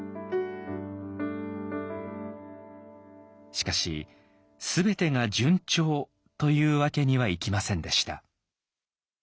しかし全てが順調というわけにはいきませんでした。